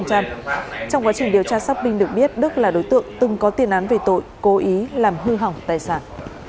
trong quá trình điều tra xác minh được biết đức là đối tượng từng có tiền án về tội cố ý làm hư hỏng tài sản